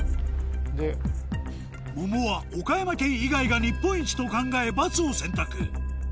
ももは岡山県以外が日本一と考え「×」を選択